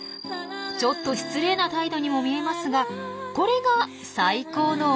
ちょっと失礼な態度にも見えますがこれが最高のおもてなし。